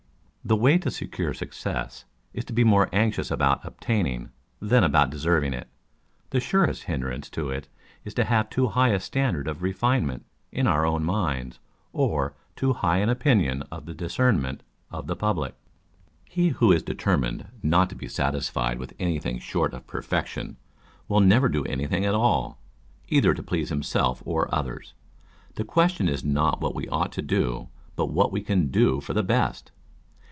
The way to secure success is to be more anxious about obtain ing than about deserving it ; the surest hindrance to it is to have too high a standard of refinement in our own minds, or too high an opinion of the discernment of the public. He who is determined not to be satisfied with anything short of perfection, will never do anything at all, either to please himself or others. The question is not what we ought to do, but what we can do for the best.